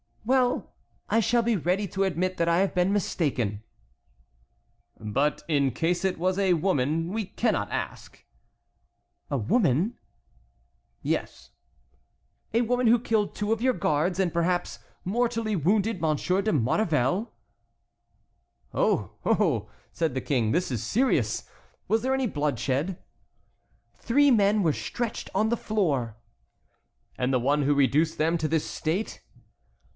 "Well, I shall be ready to admit that I have been mistaken." "But in case it was a woman, we cannot ask." "A woman?" "Yes." "A woman who killed two of your guards and perhaps mortally wounded Monsieur de Maurevel!" "Oh! oh!" said the King, "this is serious. Was there any bloodshed?" "Three men were stretched on the floor." "And the one who reduced them to this state?"